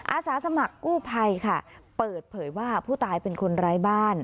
อาสาสมัครกู้ภัยค่ะเปิดเผยว่าผู้ตายเป็นคนร้ายบ้าน